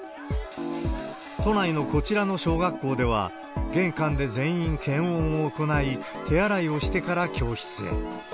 都内のこちらの小学校では、玄関で全員、検温を行い、手洗いをしてから教室へ。